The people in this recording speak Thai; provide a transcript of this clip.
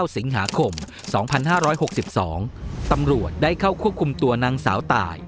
สิงหาคม๒๕๖๒ตำรวจได้เข้าควบคุมตัวนางสาวตาย